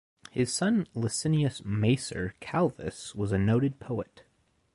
His son Licinius Macer Calvus was a noted poet.